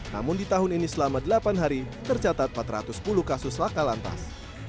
namun di tahun ini selama delapan hari tercatat empat ratus sepuluh kasus laka lantas